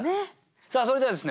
さあそれではですね